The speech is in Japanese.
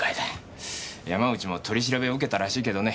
山内も取り調べを受けたらしいけどね